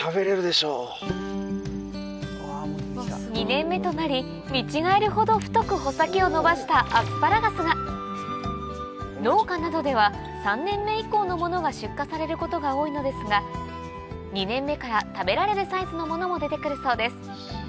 ２年目となり見違えるほど太く穂先を伸ばしたアスパラガスが農家などでは３年目以降のものが出荷されることが多いのですが２年目から食べられるサイズのものも出て来るそうです